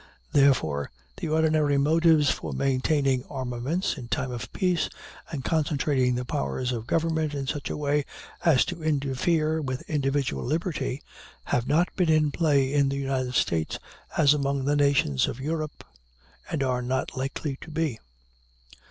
Therefore, the ordinary motives for maintaining armaments in time of peace, and concentrating the powers of government in such a way as to interfere with individual liberty, have not been in play in the United States as among the nations of Europe, and are not likely to be.